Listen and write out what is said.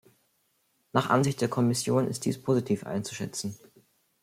Nach Ansicht der Kommission ist dies positiv einzuschätzen.